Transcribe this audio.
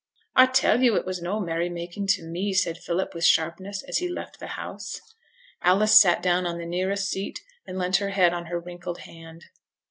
'I tell yo' it was no merry making to me,' said Philip, with sharpness, as he left the house. Alice sat down on the nearest seat, and leant her head on her wrinkled hand.